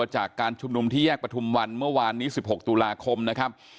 จากการชุมนุมที่แยกประทุมวันเมื่อวานนี้๑๖ตุลาคมนะครับ